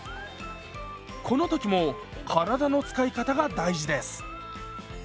この時も体の使い方が大事です。